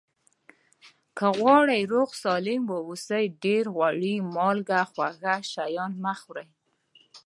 که غواړئ روغ سالم اوسئ ډېر غوړي مالګه خواږه شیان مه خوری